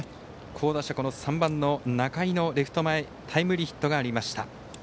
好打者、３番の仲井のレフト前タイムリーヒットがありました。